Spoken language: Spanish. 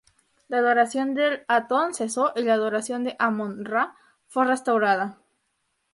La adoración de Atón cesó y la adoración de Amon-Ra fue restaurada.